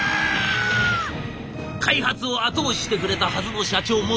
開発を後押ししてくれたはずの社長も手のひら返し。